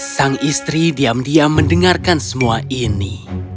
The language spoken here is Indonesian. sang istri diam diam mendengarkan semua ini